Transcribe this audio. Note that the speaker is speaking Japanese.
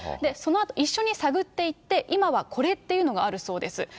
そのあと、一緒に探っていって、今はこれっていうのがあるそうです。